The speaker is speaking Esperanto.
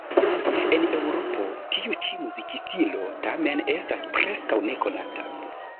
En Eŭropo tiu ĉi muzikstilo tamen estas preskaŭ nekonata.